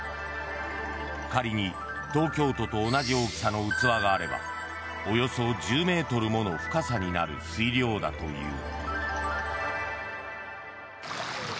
仮に東京都と同じ大きさの器があればおよそ１０ｍもの深さになる水量だという。